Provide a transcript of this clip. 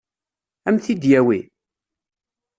Ad m-t-id-yawi?